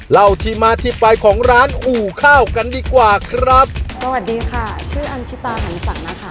เล่าที่มาที่ไปของร้านอู่ข้าวกันดีกว่าครับสวัสดีค่ะชื่ออันชิตาหันศักดินะคะ